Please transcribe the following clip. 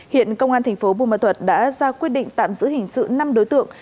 hiện công an thành phố bù ma thuật đã ra quyết định tạm giữ hình sự năm đối tượng